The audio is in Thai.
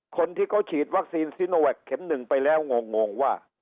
คนที่เขาฉีดวัคซีนซีโนแวคเข็มหนึ่งไปแล้วงงว่า